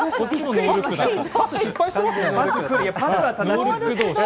パス失敗してますかね。